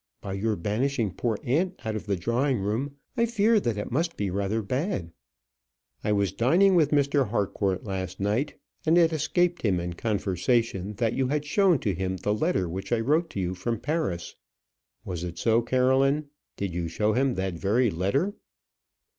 By your banishing poor aunt out of the drawing room, I fear it must be rather bad." "I was dining with Mr. Harcourt last night, and it escaped him in conversation that you had shown to him the letter which I wrote to you from Paris. Was it so, Caroline? Did you show him that very letter?"